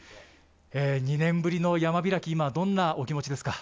２年ぶりの山開き、どんなお気持ちですか？